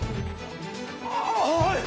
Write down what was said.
ああはい！